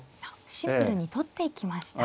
シンプルに取っていきました。